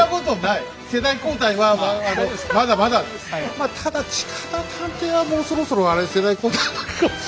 まあただ近田探偵はもうそろそろ世代交代になるかもしれない。